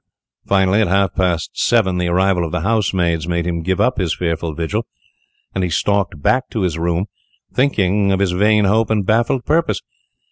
Finally, at half past seven, the arrival of the housemaids made him give up his fearful vigil, and he stalked back to his room, thinking of his vain oath and baffled purpose.